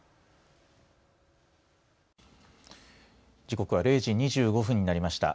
時刻は０時２５分になりました。